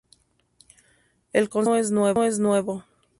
El concepto no es nuevo.